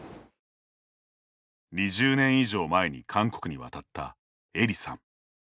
２０年以上前に韓国に渡ったえりさん。